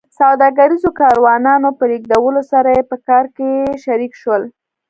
سوداګریزو کاروانونو په لېږدولو سره یې په کار کې شریک شول